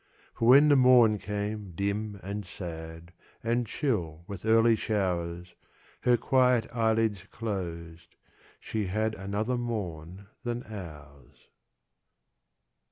For when the morn came dim and sad, And chill with early showers, Her quiet eyelids closed she had 15 Another morn than ours.